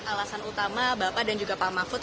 alasan utama bapak dan juga pak mahfud